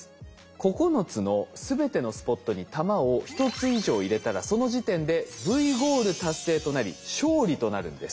９つの全てのスポットに玉を１つ以上入れたらその時点でＶゴール達成となり勝利となるんです。